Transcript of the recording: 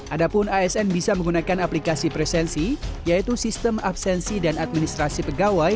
adapun asn bisa menggunakan aplikasi presensi yaitu sistem absensi dan administrasi pegawai